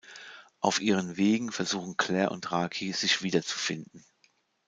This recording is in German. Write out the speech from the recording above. Auf ihren Wegen versuchen Clare und Raki sich wiederzufinden.